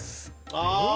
ああ！